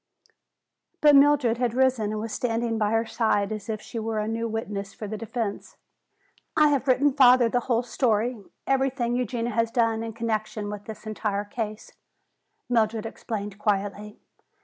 But Mildred had risen and was standing by her side as if she were a new witness for the defense. "I have written father the whole story, everything Eugenia has done in connection with this entire case," Mildred explained quietly.